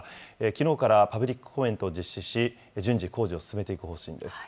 きのうからパブリックコメントを実施し、順次、工事を進めていく方針です。